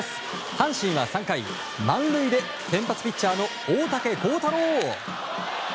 阪神は３回、満塁で先発ピッチャーの大竹耕太郎。